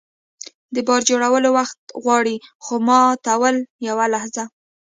د باور جوړول وخت غواړي، خو ماتول یوه لحظه.